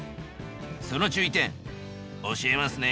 その注意点教えますね。